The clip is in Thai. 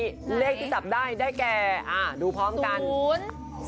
ตอนนี้เลขที่จับได้ได้แก่ดูพร้อมกัน